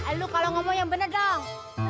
eh lo kalau ngomong yang bener dong